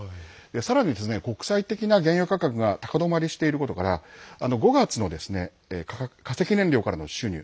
さらに国際的な原油価格が高止まりしていることから５月の化石燃料からの収入